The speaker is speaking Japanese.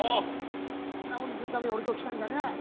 こんなことをするために今日、俺は来たんじゃねえ！